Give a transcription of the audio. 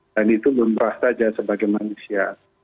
dan itu belum terasa saja sebagai manusia